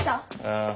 ああ。